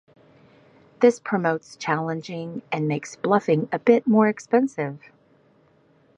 This promotes challenging and makes bluffing a bit more expensive.